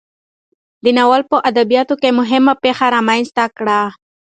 دې ناول په ادبیاتو کې مهمه پیښه رامنځته کړه.